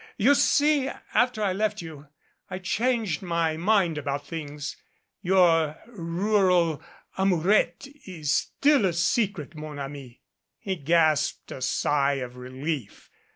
You see, after I left you, I changed my mind about things. Your rural amourette is still a secret, mon ami." He gasped a sigh of relief.